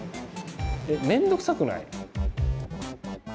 面倒くさくない？